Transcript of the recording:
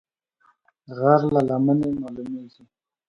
غر له لمنې مالومېږي